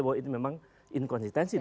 saya kira ini inkonsistensi